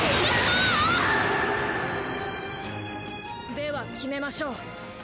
では決めましょう。